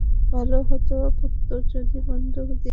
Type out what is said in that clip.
ভালো হতো পুত্তর, যদি বন্দুক দিয়ে আমাকে মেরে ফেলতি!